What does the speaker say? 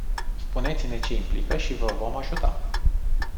Spuneți-ne ce implică și vă vom ajuta.